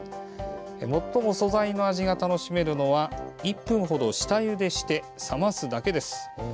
最も素材の味が楽しめるのは１分ほど下ゆでして冷ますだけです。